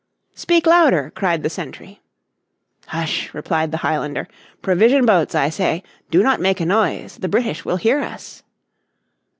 "Speak louder!" cried the sentry. "Hush!" replied the Highlander, "provision boats, I say. Do not make a noise; the British will hear us."